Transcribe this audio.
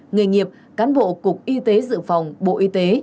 nghề nghiệp cán bộ cục y tế dự phòng bộ y tế